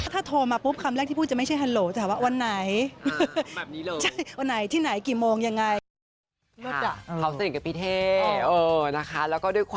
ถ้าโทรมาปุ๊บคำแรกที่พูดจะไม่ใช่ฮัลโหล